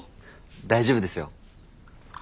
大丈夫ですよ。